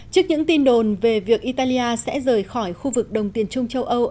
trước những tin đồn về việc italia sẽ rời khỏi khu vực đông tiên trung châu âu phó thủ tướng